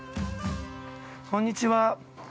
こんにちは。